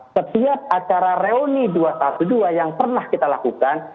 setiap acara reuni dua ratus dua belas yang pernah kita lakukan